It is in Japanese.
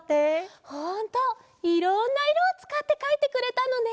ほんといろんないろをつかってかいてくれたのね。